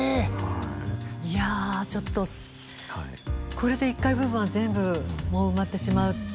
いやちょっとこれで１階部分は全部埋まってしまう。